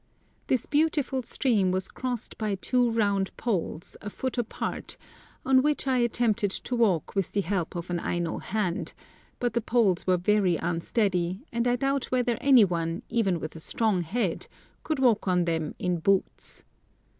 This beautiful stream was crossed by two round poles, a foot apart, on which I attempted to walk with the help of an Aino hand; but the poles were very unsteady, and I doubt whether any one, even with a strong head, could walk on them in boots.